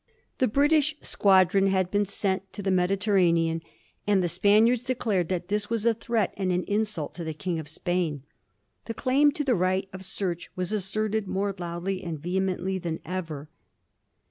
The British squadron had been sent to the Mediterranean, and the Spaniards declared that this was a threat and an insult to the King of Spain. The claim to the right of search was asserted more loudly and vehemently than ever.